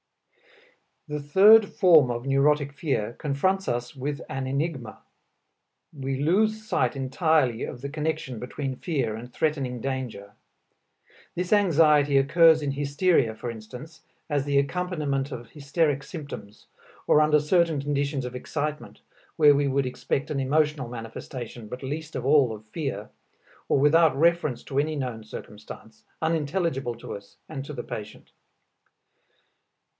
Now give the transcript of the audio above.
The third form of neurotic fear confronts us with an enigma; we loose sight entirely of the connection between fear and threatening danger. This anxiety occurs in hysteria, for instance, as the accompaniment of hysteric symptoms, or under certain conditions of excitement, where we would expect an emotional manifestation, but least of all of fear, or without reference to any known circumstance, unintelligible to us and to the patient.